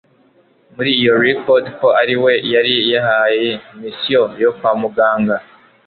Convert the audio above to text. muri iyo record ko ari we yari yahaye mission yo kwa muganga……